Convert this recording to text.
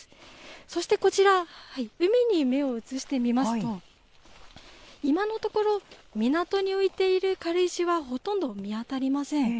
そしてこちら、海に目を移してみますと、今のところ、港に浮いている軽石はほとんど見当たりません。